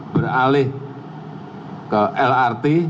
beralih ke lrt